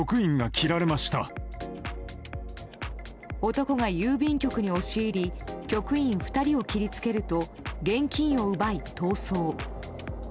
男が郵便局に押し入り局員２人を切りつけると現金を奪い逃走。